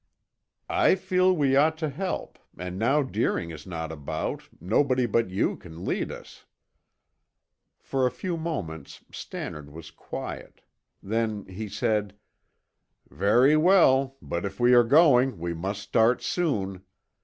"I feel we ought to help, and now Deering is not about, nobody but you can lead us." For a few moments Stannard was quiet. Then he said, "Very well, but if we are going, we must start soon.